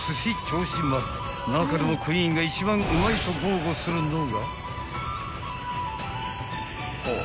［中でもクイーンが一番うまいと豪語するのが］